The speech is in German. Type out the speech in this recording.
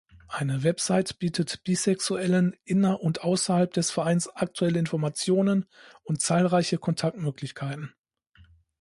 Eine Website bietet Bisexuellen inner- und außerhalb des Vereins aktuelle Informationen und zahlreiche Kontaktmöglichkeiten.